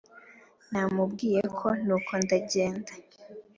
namubwiye ko nuko ndagenda.